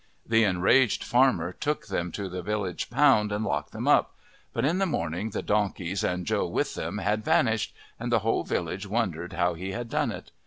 The enraged farmer took them to the village pound and locked them up, but in the morning the donkeys and Joe with them had vanished and the whole village wondered how he had done it.